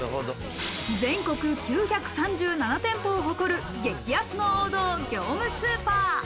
全国９３７店舗を誇る激安の王道業務スーパー。